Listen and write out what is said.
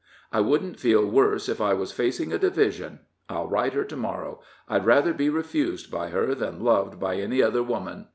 I wouldn't feel worse if I was facing a division. I'll write her to morrow. I'd rather be refused by her than loved by any other woman."